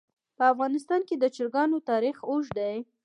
په افغانستان کې د چرګانو تاریخ اوږد دی.